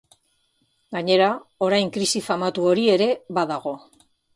Gainera orain krisi famatu hori ere badago.